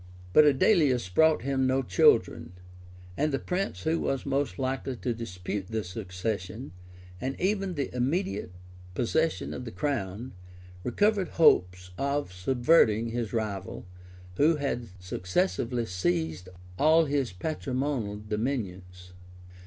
[*] {1121.} But Adelais brought him no children; and the prince who was most likely to dispute the succession, and even the immediate possession of the crown, recovered hopes of subverting his rival, who had successively seized all his patrimonial dominions.